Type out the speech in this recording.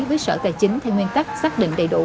với sở tài chính theo nguyên tắc xác định đầy đủ